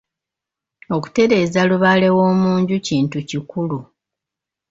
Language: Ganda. Okutereeza Lubaale w’omu nju kintu kikulu.